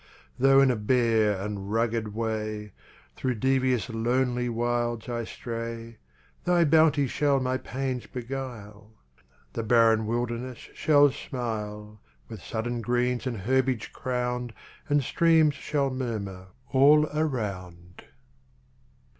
Though in a bare and rugged way, Through devious lonely wilds, I stray, Thy bounty shall my pains beguile; The barren wilderness shall smile, With sudden greens and herbage crowned, And streams shall murmur all around.